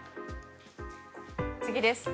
次です。